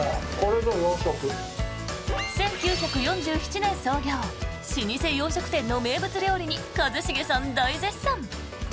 １９４７年創業老舗洋食店の名物料理に一茂さん、大絶賛！